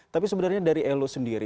tapi sebenarnya dari elo sendiri